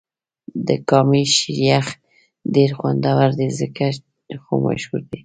د کامی شیر یخ ډېر خوندور دی ځکه خو مشهور دې.